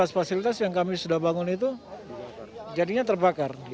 masyarakat yang terhubung di tempat penyerangan itu jadinya terbakar